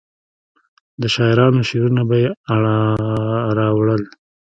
د شاعرانو شعرونه به یې راوړل.